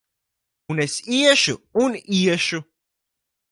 Un es iešu un iešu!